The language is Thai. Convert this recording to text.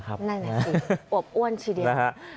ได้ค่ะที่บวกอ้วนชิดเดียว